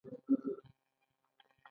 ګټور چلند